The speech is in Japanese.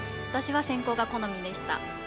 私は先攻が好みでした。